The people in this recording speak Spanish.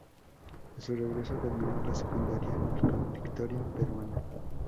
A su regreso terminó la secundaria en el Convictorio Peruano.